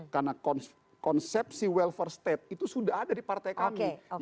karena konsep si welfare state itu sudah ada di partai kami